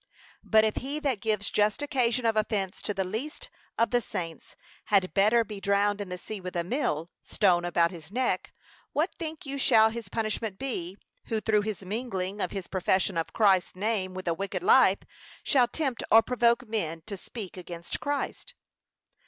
But if he that gives just occasion of offence to the least of the saints had better be drowned in the sea with a mill stone about his neck; what think you shall his judgment be, who, through his mingling of his profession of Christ's name with a wicked life shall tempt or provoke men to speak against Christ?